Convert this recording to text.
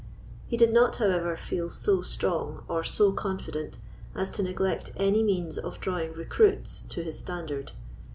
He did not, however, feel so strong or so confident as to neglect any means of drawing recruits to his standard.